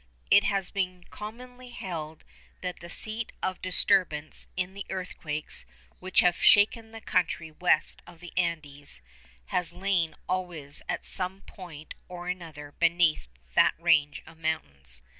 It has been commonly held that the seat of disturbance in the earthquakes which have shaken the country west of the Andes has lain always at some point or other beneath that range of mountains.